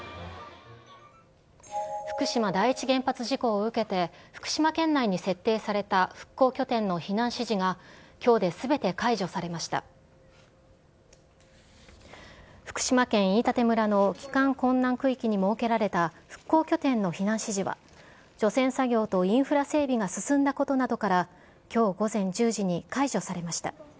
福島第一原発事故を受けて、福島県内に設定された復興拠点の避難指示が、福島県飯舘村の帰還困難区域に設けられた復興拠点の避難指示は、除染作業とインフラ整備が進んだことなどから、きょう午前１０時に解除されました。